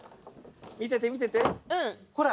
見てて見ててほら